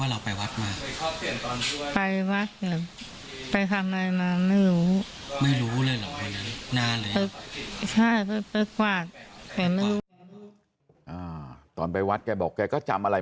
ตัวแม่จำความได้ไหม